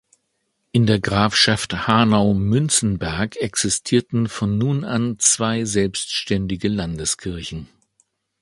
In der Grafschaft Hanau-Münzenberg existierten von nun an zwei selbständige Landeskirchen.